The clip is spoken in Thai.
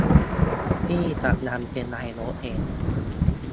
พี่จะดันเป็นนายกเอง